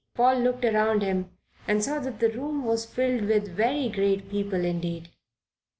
Paul looked around him and saw that the room was filled with very great people indeed.